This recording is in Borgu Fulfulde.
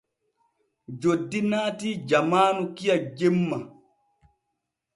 Joddi naatii jamaanu kiya jemma.